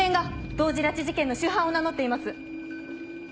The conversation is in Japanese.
同時拉致事件の主犯を名乗っています。